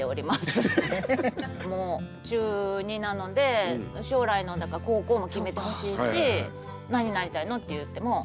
もう中２なので将来のだから高校も決めてほしいし「何になりたいの？」って言っても「あ」